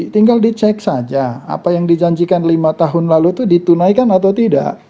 tinggal dicek saja apa yang dijanjikan lima tahun lalu itu ditunaikan atau tidak